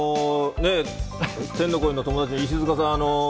天の声のお友達、石塚さん。